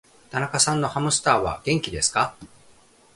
田中さんのハムスターは、お元気ですか。